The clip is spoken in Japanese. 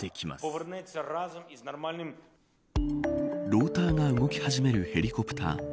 ローターが動き始めるヘリコプター。